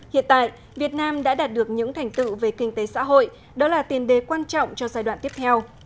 hiện tại việt nam đã đạt được những thành tựu về kinh tế xã hội đó là tiền đề quan trọng cho giai đoạn tiếp theo